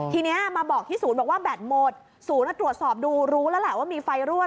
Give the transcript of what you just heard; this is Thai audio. ทีนี้มาบอกที่ศูนย์บอกว่าแบตหมดศูนย์ตรวจสอบดูรู้แล้วแหละว่ามีไฟรั่